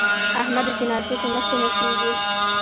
احمد د جنازې په مخ کې نڅېږي.